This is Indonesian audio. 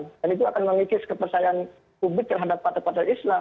dan itu akan mengikis kepercayaan publik terhadap partai partai islam